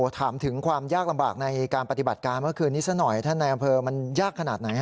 ถามถึงความยากลำบากในการปฏิบัติการเมื่อคืนนี้ซะหน่อยท่านในอำเภอมันยากขนาดไหน